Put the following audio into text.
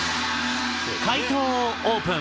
解答をオープン。